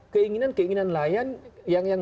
keinginan keinginan lain yang